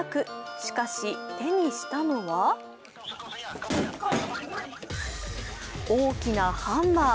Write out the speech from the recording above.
しかし、手にしたのは大きなハンマー。